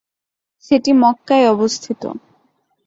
সেটি মক্কায় অবস্থিত।